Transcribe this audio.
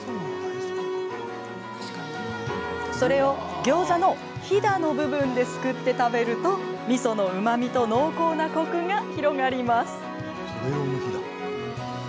それをギョーザのひだの部分ですくって食べるとみそのうまみと濃厚なコクが広がります。